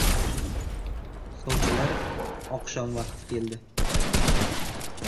Sovchilar oqshom vaqti keldi.